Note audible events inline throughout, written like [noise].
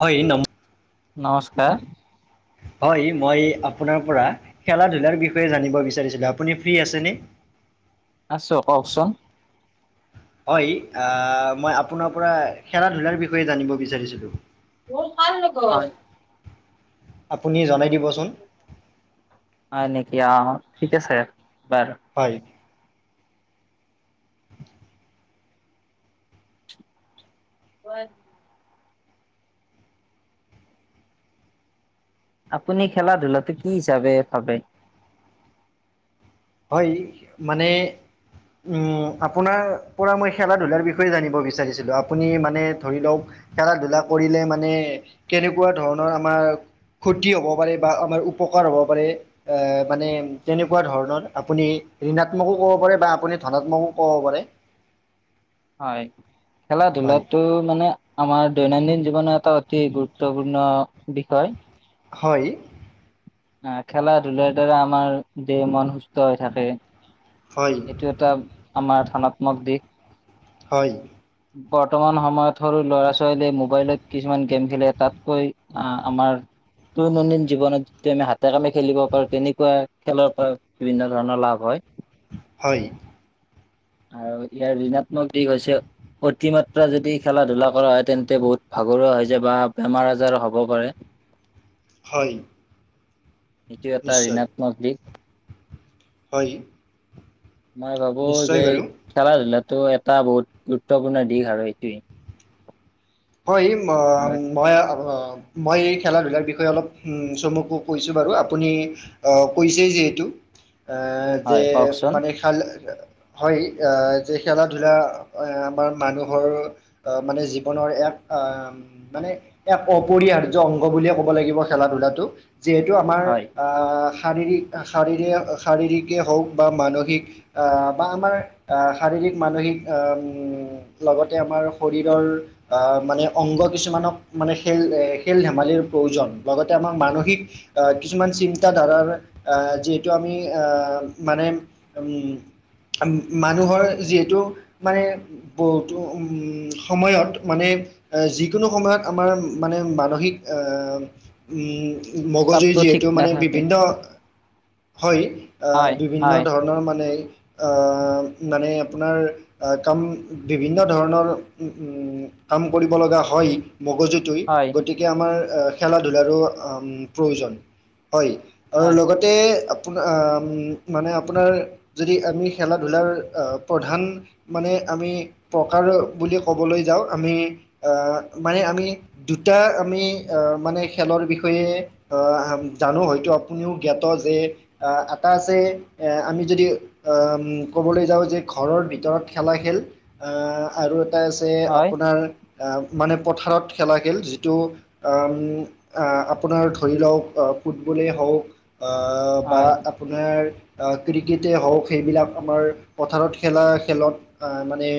হয় নম নমস্কাৰ। হয়, মই আপোনাৰ পৰা খেলা ধূলাৰ বিষয়ে জানিব বিচাৰিছিলো আপুনি ফ্ৰী আছেনে। [unintelligible] আছোঁ কওকচোন। [unintelligible] হয় মই আপোনাৰ পৰা খেলা ধূলাৰ বিষয়ে জানিব বিচাৰিছিলোঁ। অও কাৰ লগত, হয় আপুনি জনাই দিবচোন। হয় নেকি অ ঠিক আছে বাৰু। হয়। [unintelligible] আপুনি খেলা ধূলাটো কি হিচাপে ভাবে? হয়, মানে। উম আপোনাৰ পৰা মই খেলা ধূলাৰ বিষয়ে জানিব বিচাৰিছিলোঁ আপুনি মানে ধৰি লওক। খেলা ধূলা কৰিলে মানে কেনেকুৱা ধৰণৰ আমাৰ ক্ষতি হ'ব পাৰে বা আমাৰ উপকাৰ হ'ব পাৰে মানে তেনেকুৱা ধৰণৰ আপুনি ঋণাত্মকো ক'ব পাৰে বা আপুনি ধনাত্মকো ক'ব পাৰে। হয়, খেলা হয় ধূলাটো মানে। আমাৰ দৈনন্দিন জীৱনৰ এটা অতি গুৰুত্বপূৰ্ণ বিষয়। হয়। আ খেলা ধূলাৰ দ্বাৰা আমাৰ দেহ মন সুস্থ হৈ থাকে। হয় এইটো এটা আমাৰ ধনাত্মক দিশ। হয়। উম। বৰ্তমান সময়ত সৰু ল'ৰা ছোৱালীয়ে মোবাইলত কিছুমান গেম খেলে তাতকৈ আ- আমাৰ দৈনন্দিন জীৱনত তেনে হাতে কামে খেলিব পৰা তেনেকুৱা খেলৰ পৰা বিভিন্ন ধৰণৰ লাভ হয়। হয়। আৰু ইয়াৰ ঋণাত্মক দিশ হৈছে অতিমাত্ৰা যদি খেলা ধূলা কৰা হয়, তেন্তে বহুত ভাগৰুৱা হৈ যায় বা বেমাৰ আজাৰ হ'ব পাৰে। হয়। এইটো এটা নিশ্চয় ঋণাত্মক দিশ। হয়। মই ভাবো নিশ্চয় যে বাৰু খেলা ধূলাটো এটা বহুত গুৰুত্বপূৰ্ণ দিশ আৰু এইটোৱেই। হয়, এই ম বাট মই আপোনালোকক মই এই খেলা ধূলাৰ বিষয়ে অলপ চমুকৈ কৈছোঁ বাৰু আপুনি অহ কৈছেই যিহেতু এ যে হয় কওকচোন মানে খেল হয় যে খেলা ধূলা আমাৰ মানুহৰ মানে জীৱনৰ এক অহ মানে এক অপৰিহাৰ্য অংগ বুলিয়ে ক'ব লাগিব খেলা ধূলাটো। যিহেতু আমাৰ হয় আ শাৰীৰিক শাৰীৰে শাৰীৰিকে হওক বা মানসিক আ বা আমাৰ আহ শাৰীৰিক মানসিক আহ উম লগতে আমাৰ শৰীৰৰ আ মানে অংগ কিছুমানক মানে খেল খেল ধেমালিৰ প্ৰয়োজন লগতে আমাক মানসিক অহ কিছুমান চিন্তা ধাৰাৰ অহ যিহেতু আমি অহ মানে উম মানুহৰ যিহেতু মানে বহুতো উম সময়ত মানে যিকোনো সময়ত আমাৰ মানে মানসিক এ উম মগজুৱে চাপটো ঠিক যিহেতু মানে নাথাকে বিভিন্ন হয় অহ হয় বিভিন্ন হয় ধৰণৰ মানে অহ মানে আপোনাৰ অহ কাম বিভিন্ন ধৰণৰ উম উম কাম কৰিব লগা হয় মগজুটোই হয় গতিকে গতিকে আমাৰ খেলা ধূলাৰো প্ৰয়োজন হয় আৰু হয় লগতে তে আপোনাৰ মানে আপোনাৰ যদি আপুনি খেলা ধূলাৰ অহ প্ৰধান মানে আমি প্ৰকাৰ বুলি ক'বলৈ যাওঁ আমি অহ মানে আমি দুটা আমি মানে খেলৰ বিষয়ে অহ জানো হয়তো আপুনিও জ্ঞাত যে অহ এটা আছে আমি যদি অহ ক'বলৈ যাওঁ যে ঘৰৰ ভিতৰত খেলা খেল অহ আৰু এটা‌‌ আছে হয় আপোনাৰ অহ মানে পথাৰত খেলা খেল যিটো অহ উম আপোনাৰ ধৰি লওক ফুটবলেই হওক অ বা হয় আপোনাৰ অহ ক্ৰিকেটে হওক সেইবিলাক আমাৰ পথাৰত খেলা খেলক অহ মানে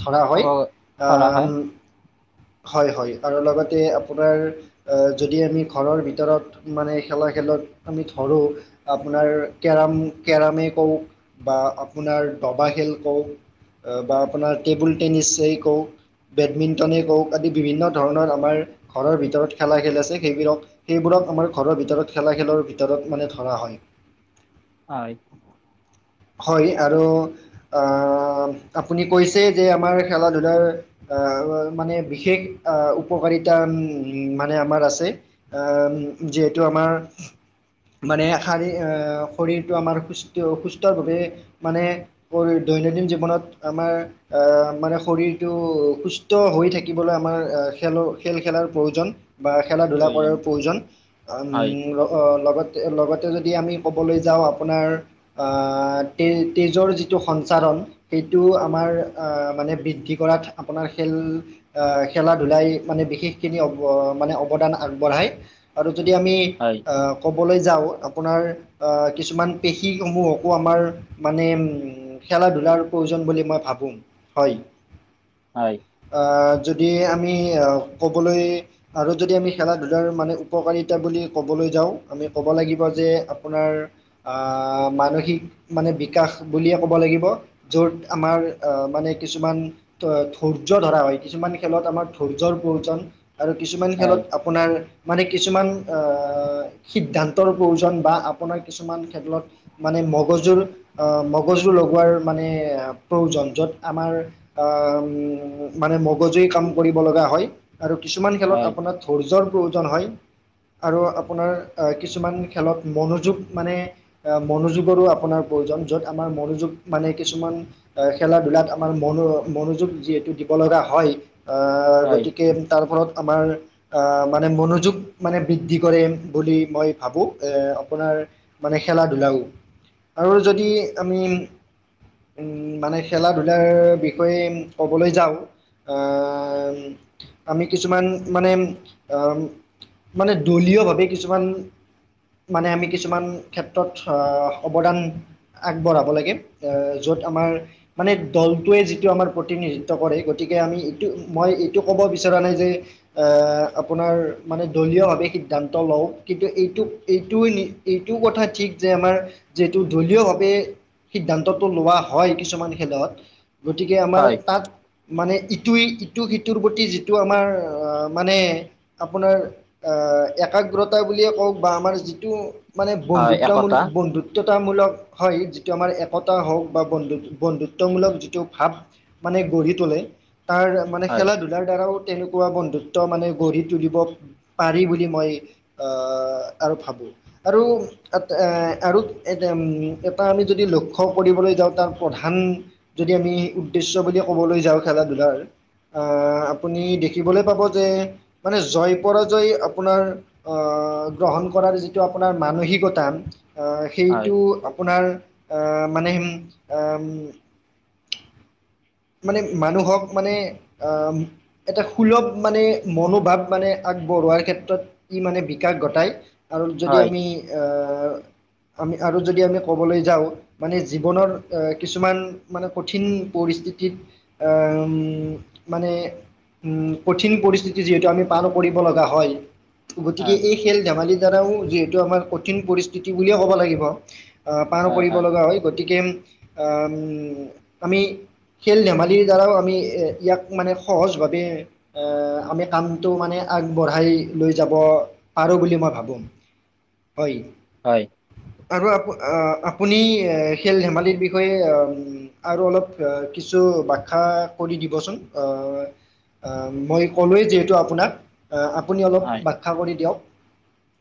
ধৰা হয়। অৱগত ধৰা হয় ‌হয় হয়। আৰু লগতে আপোনাৰ অহ যদি আমি ঘৰৰ ভিতৰত মানে খেলা খেলত আমি ধৰোঁ আপোনাৰ কেৰম কেৰমে কওক বা আপোনাৰ দবা খেল কওক বা আপোনাৰ টেবুল টেনিছেই কওক, বেডমিণ্টনেই কওক আদি বিভিন্ন ধৰণৰ আমাৰ ঘৰৰ ভিতৰত খেলা খেল আছে সেইবোৰক সেইবোৰক আমাৰ ঘৰৰ ভিতৰত খেলা খেলৰ ভিতৰত মানে ধৰা হয়। হয়। হয় আৰু আহ আপুনি কৈছে যে আমাৰ খেলা ধূলাৰ আহ মানে বিশেষ আহ উপকাৰিতা উ মানে আমাৰ আছে। আহ যিহেতু আমাৰ মানে শাৰী শৰীৰটো আমাৰ সুস্থ সুস্থৰভাৱে মানে দৈনন্দিন জীৱনত আমাৰ আহ মানে শৰীৰটো সুস্থ হৈ থাকিবলৈ আমাৰ খেলৰ খেল খেলাৰ প্ৰয়োজন। বা খেলা ধূলা কৰাৰ প্ৰয়োজন হয় লগত লগতে যদি আমি ক'বলৈ যাওঁ আপোনাৰ আত তে তেজৰ যিটো সঞ্চাৰণ সেইটো আমাৰ আহ মানে বৃদ্ধি কৰাত আপোনাৰ খেল আহ খেলা ধূলাই মানে বিশেষ খিনি মানে অৱদান আগবঢ়াই। আৰু যদি আমি হয় ক'বলৈ যাওঁ আপোনাৰ কিছুমান পেশী সমূহকো আমাৰ মানে উ খেলা ধূলাৰ প্ৰয়োজন বুলি মই ভাবো। হয়। হয়। আহ যদি আমি ক'বলৈ আৰু যদি আমি খেলা ধূলাৰ মানে উপকাৰিতা বুলি ক'বলৈ যাওঁ আমি ক'ব লাগিব যে আপোনাৰ আহ, মানসিক মানে বিকাশ বুলিয়ে ক'ব লাগিব। য'ত আমাৰ আহ মানে কিছুমান [unintelligible] ধৈৰ্য ধৰা হয় কিছুমান খেলত আমাৰ ধৈৰ্যৰ প্ৰয়োজন আৰু কিছুমান হয় খেলত আপ আপোনাৰ মানে কিছুমান আ সিদ্ধান্তৰ প্ৰয়োজন বা আপোনাৰ কিছুমান ক্ষেতলত মানে মগজুৰ অ মগজুৰ লগোৱাৰ মানে প্ৰয়োজন য'ত আমাৰ আহ মানে মগজুুৰ কাম কৰিব লগা হয় আৰু কিছুমান খেলত হয় আপোনাক ধৈৰ্যৰ প্ৰয়োজন হয় আৰু আপোনাৰ কিছুমান খেলত মনোযোগ মানে আ, মনোযোগৰো আপোনাৰ প্ৰয়োজন য'ত আমাৰ মনোযোগ মানে কিছুমান খেলা ধূলাত আমাৰ মন মনোযোগ যিহেতু দিব লগা হয় আহ হয় গতিকে তাল ফলত আমাৰ আহ মানে মনোযোগ মানে বৃদ্ধি কৰে বুলি মই ভাবো এ আপোনাৰ মানে খেলা ধূলাও আৰু যদি আমি উম মানে খেলা ধূলাৰ বিষয়ে ক'বলৈ যাও আ ওম। আমি কিছুমান মানে আহ মানে দলীয় ভাৱে কিছুমান মানে আমি কিছুমান ক্ষেত্ৰত আহ অৱদান আগবঢ়াব লাগে আহ য'ত আমাৰ মানে দলটোৱে যিটো আমাৰ প্ৰতিনিধিত্ব কৰে গতিকে আমি এইটো মই এইটো ক'ব বিচৰা নাই যে অ আপোনাৰ মানে দলীয় ভাৱে সিদ্ধান্ত লওঁ কিন্তু এইটো এইটো নি এইটো কথা ঠিক যে আমাৰ যিহেটো দলীয়ভাৱে সিদ্ধান্তটো লোৱা হয় কিছুমান খেলত গতিকে আমাৰ হয় তাত মানে ইটোই ইটো সিটোৰ প্ৰতি যিটো আমাৰ আহ মানে আপোনাৰ আহ একাগ্ৰতা বুলিয়ে কওক বা আমাৰ যিটো মানে বন্ধু হয় একতা বন্ধুত্বতামূলক হয়, যিটো আমাৰ একতা হওক বা বন্ধু বন্ধুত্বমূলক যিটো ভাৱ মানে গঢ়ি তোলে তাৰ মানে হয় খেলা ধূলাৰ দ্বাৰাও তেনেকুৱা বন্ধুত্ব মানে গঢ়ি তুলিব পাৰি বুলি মই আ আৰু ভাবো আৰু তাত এ আৰু এজ এটা আমি যদি লক্ষ্য কৰিবলৈ যাওঁ তাৰ প্ৰধান যদি আমি উদ্দেশ্য বুলি ক'বলৈ যাওঁ খেলা ধূলাৰ আহ, আপুনি দেখিবলৈ পাব যে মানে জয় -পৰাজয় আপোনাৰ আহ গ্ৰহণ কৰাৰ যিটো আপোনাৰ মানসিকতা টান আ হয় সেইটো আপোনাৰ আহ মানে সেই আ মানে মানুহক মানে আ-ম এটা সুলভ মানে মনোভাৱ মানে আগবঢ়োৱাৰ ক্ষেত্ৰত ই মানে বিকাশ গটাই আৰু হয় যদি হয় আমি আ আমি আৰু যদি আমি ক'বলৈ যাওঁ মানে জীৱনৰ এ কিছুমান মানে কঠিন পৰিস্থিত তিত আ-ম, মানে উম, কঠিন পৰিস্থিতি যিহেতু আমি পাৰ কৰিব লগা হয় গতিকে এই খেল ধেমালিৰ দ্বাৰাও যিহেতু আমাৰ কঠিন পৰিস্থিতি বুলিয়ে ক'ব লাগিব। আ, পাৰ কৰিব লগা হয় গতিকে আ-ম আমি খেল- ধেমালিৰ দ্বাৰাও আমি এ ইয়াক মানে সহজ ভাৱে এ আমি কামটো মানে আগবঢ়াই লৈ যাব পাৰো বুলি মই ভাবো। হয়। হয়। আকৌ আপ আ আপুনি খেল ধেমালিৰ বিষয়ে আ-ম আৰু অলপ কিছু বাখ্যা কৰি দিবচোন আহ আ-ম মই ক'লোৱেই যিহেতু আপোনাক। আ আপুনি অলপ হয় বাখ্যা কৰি দিয়ক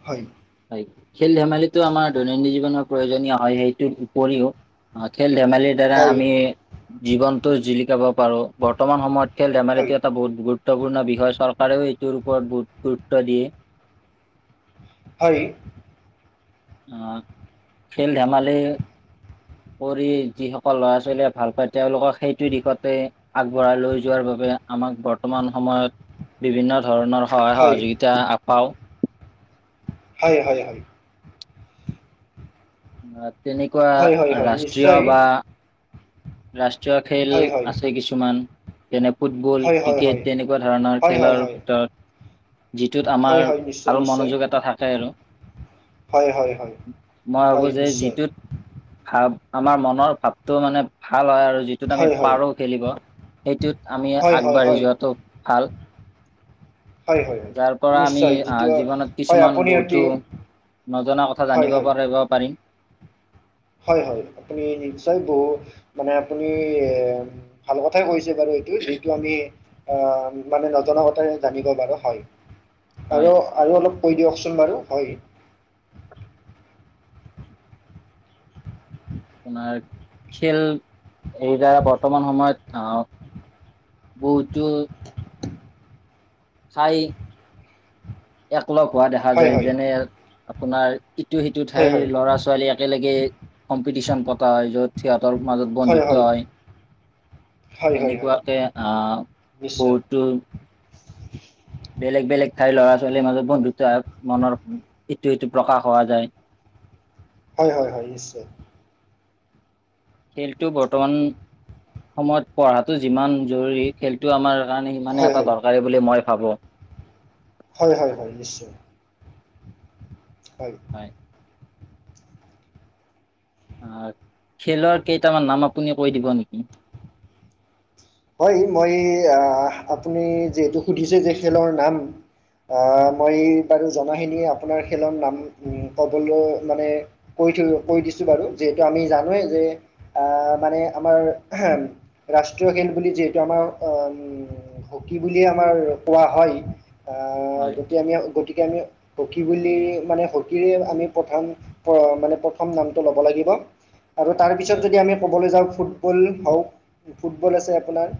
হয়। হয় খেল ধেমালিটো আমাৰ দৈনন্দিন জীৱনৰ প্ৰয়োজনীয় হয় সেইটোৰ উপৰিও অ', খেল ধেমালিত দ্বাৰা হয় আমি জীৱনতো জিলিকাব পাৰো বৰ্তমান সময়ত খেল হয় ধেমালিটো এটা বহুত গুৰুত্ ত্বপূৰ্ণ বিষয় চৰকাৰেও এইটোৰ ওপৰত বহুত গুৰুত্ব দিয়ে। হয় অ খেল ধেমালি পঢ়ি যিসকল ল'ৰা -ছোৱালীয়ে ভাল পায় তেওঁলোকক সেইটো দিশতে আগবঢ়াই লৈ যোৱাৰ বাবে আমাক বৰ্তমান সময়ত বিভিন্ন ধৰণৰ সহায় হয় সহযোগিতা আ পাওঁ। হয়- হয় -হয় তেনেকুৱা হয় হয় হয় ৰাষ্ট্ৰীয় নিশ্চয় বা ৰাষ্ট্ৰীয় খেল হয় হয় আছে কিছুমান যেনে ফুটবল, হয় হয় ক্ৰিকেট হয় তেনেকুৱা ধৰণৰ হয় হয় খেলৰ হয় ভিতৰত যিটোত হয় আমাৰ হয় নিশ্চয় ভাল নিশ্চয় মনোযোগ এটা থাকে আৰু। হয় হয় হয় মই ভাবো হয় যে নিশ্চয় যিটোত ভাব আমাৰ মনৰ ভাবটো মানে ভাল হয় আৰু যিটোত আমি হয় হয় পাৰো খেলিব সেইটোত আমি হয় হয় আগবাঢ়ি হয় যোৱাটো ভাল। হয় হয় হয় যাৰ পৰা আমি নিশ্চয় যিটো আহ জীৱনত হয় কিছুমান আপুনি অতি বহুতো নজনা কথা হয় জানিব হয় পাৰি বা পাৰিম। হয় হয় আপুনি নিশ্চয় বহু মানে আপুনি এ ভাল কথাই কৈছে বাৰু এইটো যিটো আমি অ মানে নজনা কথা জানিব পাৰো। হয় হয় আৰু আৰু অলপ কৈ দিয়কচোন বাৰু হয় আপোনাৰ খেল এই দ্বাৰা বৰ্তমান সময়ত আ বহুতো ঠাই একলগ হোৱা দেখা হয় যায়। হয় যেনে আপোনাৰ ই ইটো সিটো হয় ঠাইৰ হয় ল'ৰা ছোৱালী একেলগে কম্পিটিচন পতা হয়। য'ত হিহতৰ মাজত বন্ধুত্ব হয়। হয় হয় হয় তেনেকুৱাকে আ নিশ্চয় বহুতো বেলেগ বেলেগ ঠাইৰ ল'ৰা ছোৱালীৰ মাজত বন্ধুত্ব মনৰ ইটো সিটো প্ৰকাশ হোৱা যায়। হয় হয় হয় নিশ্চয় খেলটো বৰ্তমান সময়ত পঢ়াটো যিমান জৰুৰী খেলটো আমাৰ কাৰণে সিমানে হয় এটা হয় দৰকাৰী বুলি মই ভাবোঁ। হয় হয় হয় নিশ্চয় হয় হয় খেলৰ কেইটামান নাম আপুনি কৈ দিব নেকি? হয় মই আপুনি যিহেতু সুধিছে যে খেলৰ নাম আহ মই বাৰু জনাখিনি আপোনাৰ খেলৰ নাম ক'বলৈ মানে কৈ থৈছো কৰি দিছো বাৰু যিহেতু আমি জানোৱেই যে আহ মানে আমাৰ ৰাষ্ট্ৰীয় খেল বুলি যিহেতু আমাৰ হকী বুলিয়ে আমাৰ কোৱা হয়। আ হয় গতি আমি গতিকে আমিও হকী বুলি মানে হকীৰে আমি প্ৰথম প্ৰ মানে প্ৰথম নামটো ল'ব লাগিব। আৰু তাৰপিছত যদি আমি ক'বলৈ যাওঁ ফুটবল হওক ফুটবল আছে আপোনাৰ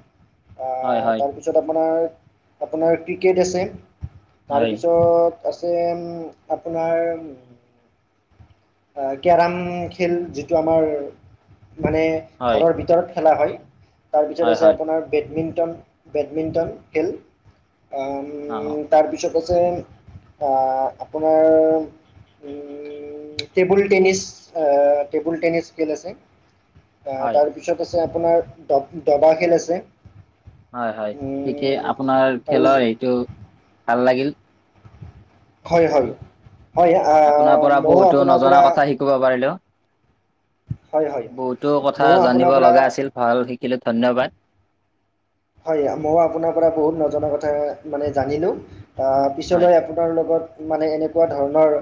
হয় আহ হয় তাৰপিছত আপোনাৰ আপোনাৰ ক্ৰিকেট আছে। হয় তাৰপিছত আছে আপোনাৰ কেৰম খেল যিটো আমাৰ মানে হয় ঘৰৰ ভিতৰত খেলা হয় তাৰ হয় ভিতৰত আছে হয় আপোনাৰ বেডমিণ্টন বেডমিণ্টন খেল আহ অ তাৰপিছত আছে আহ আপোনাৰ টেবুল টেনিছ টেবুল টেনিছ খেল আছে। হয় তাৰ পিছ পিছত আছে আপোনাৰ ডব ডবা খেল আছে। হয় হয় ঠিকেই আপোনাৰ আৰু খেলৰ হেৰিটো ভাল লাগিল। হয় হয় হয় আ আপোনাৰ পৰা ময়ো বহুতো আপোনাৰ নজনা পৰা কথা শিকিব পাৰিলোঁ। হয় হয় বহুতো কথা ময়ো আপোনাৰ জানিব পৰা লগা আছিল ভাল শিকিলো। ধন্যবাদ। হয় মই আপোনাৰ পৰা বহুত নজনা কথা মানে জানিলোঁ হয় পিছলৈ আ পোনাৰ লগত মানে এনেকুৱা ধৰণৰ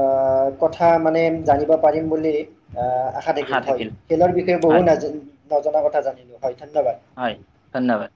আহ কথা মানে জানিব পাৰিম বুলি আহ আ ক্ষা থাকিল হয় খেলৰ বিষয়ে হয় বহু নজনা কথা জানিলো হয় ধন্যবাদ। হয় ধন্যবাদ